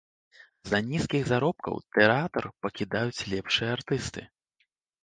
З-за нізкіх заробкаў тэатр пакідаюць лепшыя артысты.